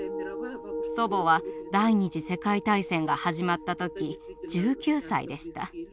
祖母は第２次世界大戦が始まった時１９歳でした。